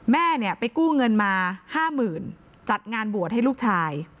แม่เนี่ยไปกู้เงินมา๕๐๐๐จัดงานบวชให้ลูกชาย